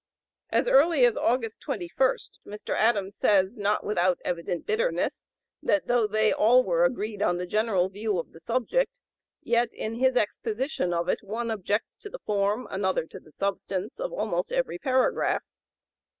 As early as August 21, Mr. Adams says, not without evident bitterness, that though they all were agreed on the general view of the subject, yet in his "exposition of it, one objects to the form, another to the substance, of almost every paragraph."